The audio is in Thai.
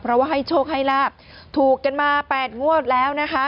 เพราะว่าให้โชคให้ลาบถูกกันมา๘งวดแล้วนะคะ